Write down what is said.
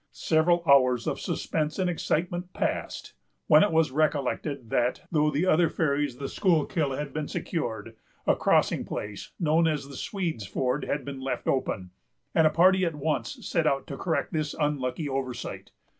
Several hours of suspense and excitement passed, when it was recollected, that, though the other ferries of the Schuylkill had been secured, a crossing place, known as the Swedes' Ford, had been left open; and a party at once set out to correct this unlucky oversight.